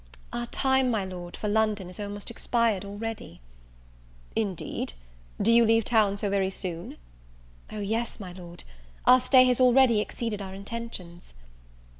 "Our time, my Lord, for London, is almost expired already." "Indeed! do you leave town so very soon?" "O yes, my Lord, our stay has already exceeded our intentions."